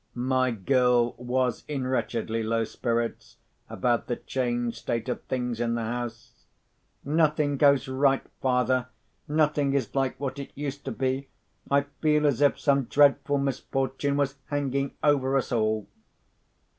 My girl was in wretchedly low spirits about the changed state of things in the house. "Nothing goes right, father; nothing is like what it used to be. I feel as if some dreadful misfortune was hanging over us all."